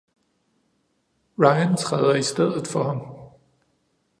Ryan træder i stedet for ham.